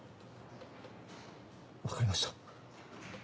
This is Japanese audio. わかりました。